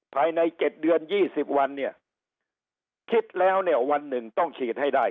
ภายใน๗เดือน๒๐วันเนี่ยคิดแล้วเนี่ยวันหนึ่งต้องฉีดให้ได้